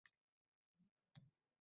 Narigi xonada yotibsan, xolos…